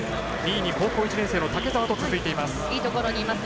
２位に高校１年生の竹澤と続いています。